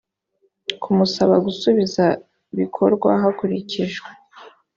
kumusaba gusubiza bikorwa hakurikijwe